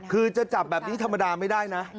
คือจะจับแบบนี้ธรรมดาไม่ได้นะ